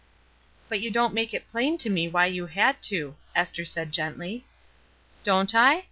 "But you don't make it plain to me why you had to," Esther said gently. "Don't I?